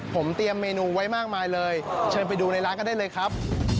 ผมเตรียมเมนูไว้มากมายเลยเชิญไปดูในร้านก็ได้เลยครับ